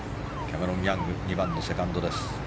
キャメロン・ヤング２番のセカンドです。